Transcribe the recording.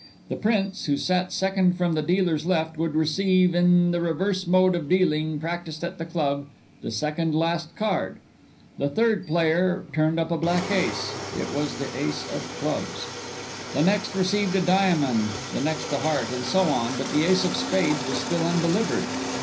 The Prince, who sat second from the dealer's left, would receive, in the reverse mode of dealing practised at the club, the second last card. The third player turned up a black ace—it was the ace of clubs. The next received a diamond, the next a heart, and so on; but the ace of spades was still undelivered.